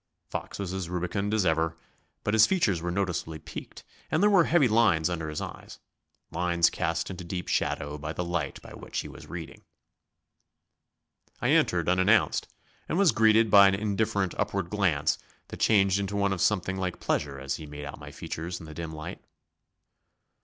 Fox was as rubicund as ever, but his features were noticeably peaked and there were heavy lines under his eyes lines cast into deep shadow by the light by which he was reading. I entered unannounced, and was greeted by an indifferent upward glance that changed into one of something like pleasure as he made out my features in the dim light.